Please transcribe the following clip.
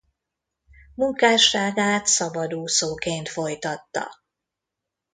Munkásságát szabadúszóként folytatta.